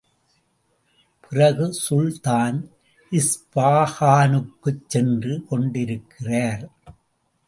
பிறகு சுல்தான் இஸ்பாகானுக்குச் சென்று கொண்டிருக்கிறார்.